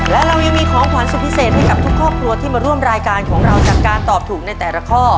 และเรายังมีของขวัญสุดพิเศษให้กับทุกครอบครัวที่มาร่วมรายการของเราจากการตอบถูกในแต่ละข้อ